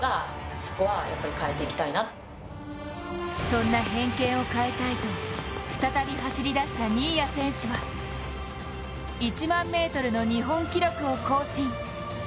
そんな偏見を変えたいと再び、走り出した新谷選手は１００００ｍの日本記録を更新。